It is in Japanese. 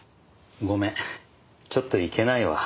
ごめんちょっと行けないわ。